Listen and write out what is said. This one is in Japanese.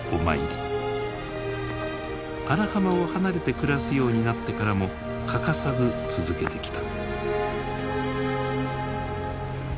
荒浜を離れて暮らすようになってからも欠かさず続けてきた。